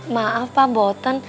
maaf pak mboten